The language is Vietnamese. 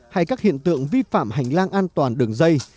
hay các hiện tượng vi phạm hành lang an toàn đường dây